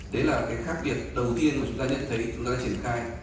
đấy là cái khác biệt đầu tiên mà chúng ta nhận thấy chúng ta triển khai